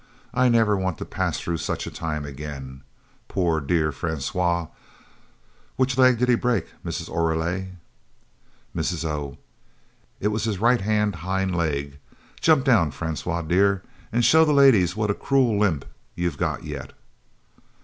I never want to pass through such a time again. Poor dear Francois which leg did he break, Mrs. Oreille!" Mrs. O. "It was his right hand hind leg. Jump down, Francois dear, and show the ladies what a cruel limp you've got yet."